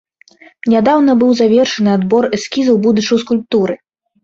Нядаўна быў завершаны адбор эскізаў будучай скульптуры.